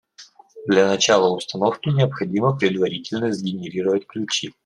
Для начала установки необходимо предварительно сгенерировать ключи